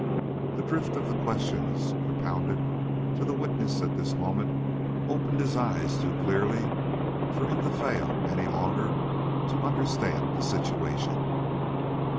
The drift of the questions propounded to the witness at this moment opened his eyes too clearly for him to fail any longer to understand the situation.